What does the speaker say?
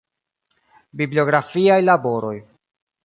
Bibliografiaj laboroj.